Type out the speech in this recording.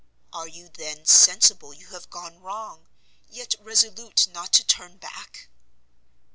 "Are you, then, sensible you have gone wrong, yet resolute not to turn back?"